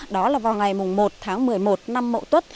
đó là vào ngày một tháng một mươi một năm mậu tuất